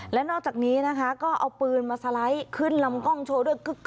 และนอกจากนี้นะคะก็เอาปืนมาสไลด์ขึ้นลำกล้องโชว์ด้วย